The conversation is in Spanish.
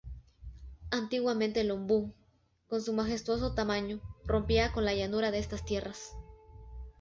Antiguamente el ombú, con su majestuoso tamaño, rompía con la llanura de estas tierras.